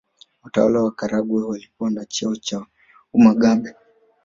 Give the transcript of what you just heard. Watawala wa Karagwe walikuwa na cheo cha Umugabe